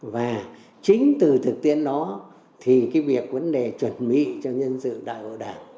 và chính từ thực tiễn đó thì cái việc vấn đề chuẩn bị cho nhân sự đại hội đảng